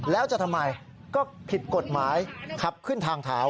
แล้วจะทำไมก็ผิดกฎหมายขับขึ้นทางเท้า